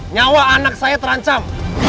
nyawa anak saya terancam